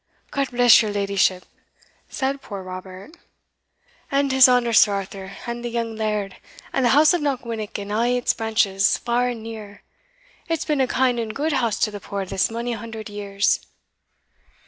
"God bless your leddyship," said poor Robert, "and his honour Sir Arthur, and the young laird, and the house of Knockwinnock in a' its branches, far and near! it's been a kind and gude house to the puir this mony hundred years."